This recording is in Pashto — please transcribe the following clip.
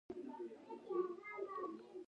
په خوشطبعي کښېنه، خلق مه تنګوه.